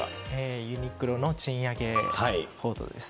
ユニクロの賃上げ報道ですね。